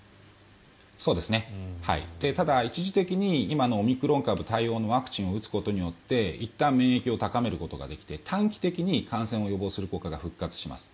ただ、一時的に今のオミクロン株対応のワクチンを打つことによっていったん免疫を高めることができて短期的に感染を予防する効果が復活します。